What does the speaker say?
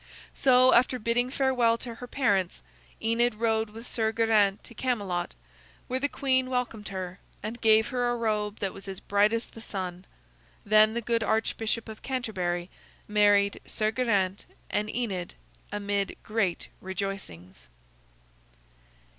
So after bidding farewell to her parents, Enid rode with Sir Geraint to Camelot, where the queen welcomed her, and gave her a robe that was as bright as the sun. Then the good Archbishop of Canterbury married Sir Geraint and Enid amid great rejoicings.